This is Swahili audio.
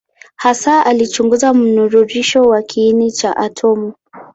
Hasa alichunguza mnururisho wa kiini cha atomu.